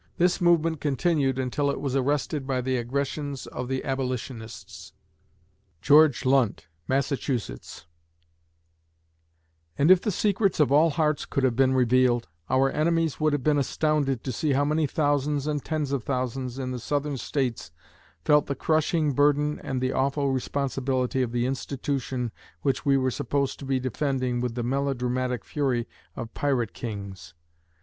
This movement continued until it was arrested by the aggressions of the Abolitionists. GEORGE LUNT (Massachusetts) And if the secrets of all hearts could have been revealed, our enemies would have been astounded to see how many thousands and tens of thousands in the Southern States felt the crushing burden and the awful responsibility of the institution which we were supposed to be defending with the melodramatic fury of pirate kings.